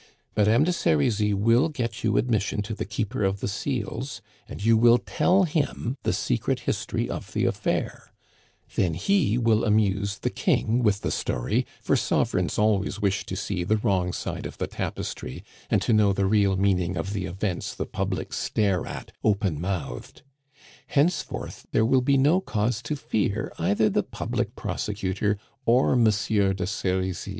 "Madame de Serizy will get you admission to the Keeper of the Seals, and you will tell him the secret history of the affair; then he will amuse the King with the story, for sovereigns always wish to see the wrong side of the tapestry and to know the real meaning of the events the public stare at open mouthed. Henceforth there will be no cause to fear either the public prosecutor or Monsieur de Serizy."